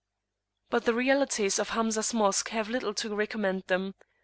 But the realities of Hamzah's Mosque have little to recommend them.